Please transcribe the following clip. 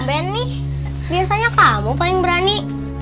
ben nih biasanya kamu paling berani